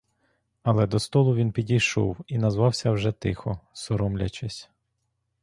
Але до столу він підійшов і назвався вже тихо, соромлячись.